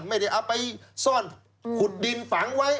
ไม่ได้เอาคุดดินฝังไว้